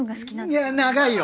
いや長いよ！